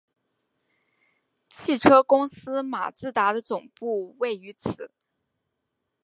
汽车公司马自达的总部位于此。